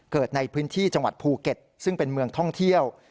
เกิดในพื้นที่จังหวัดภูเก็ตซึ่งเป็นเมืองท่องเที่ยว